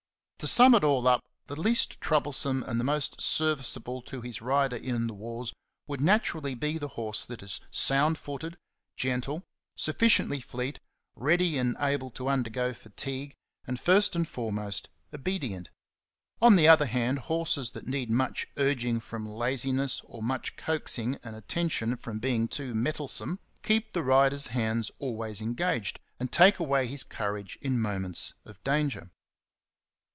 To sum it all up, the least troublesome and the most serviceable to his rider in the wars would naturally be the horse that is sound footed, gentle, sufficiently fleet, ready and able to undergo fatigue, and, first and fore most, obedient. On the other hand, horses that need much urging from laziness or much coaxing and attention from being too mettle some, keep the rider's hands always engaged, and take away his courage in moments of danger.